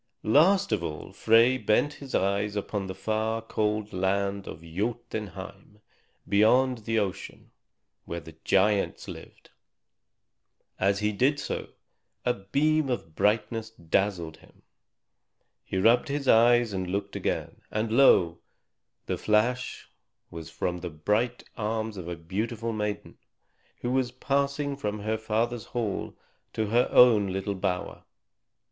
Last of all Frey bent his eyes upon the far, cold land of Jotunheim, beyond the ocean, where the giants lived; and as he did so, a beam of brightness dazzled him. He rubbed his eyes and looked again; and lo! the flash was from the bright arms of a beautiful maiden, who was passing from her father's hall to her own little bower.